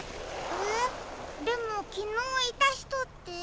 えでもきのういたひとって？